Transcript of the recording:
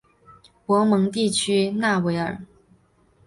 博蒙地区讷维尔。